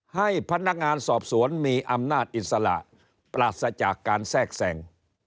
ให้พนักงานสอบสวนมีอำนาจอิสระปราศจากการแทรกแสง